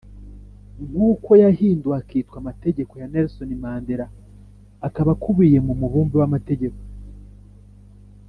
nk uko yahinduwe akitwa Amategeko ya Nelson Mandela akaba akubiye mu mubumbe w amategeko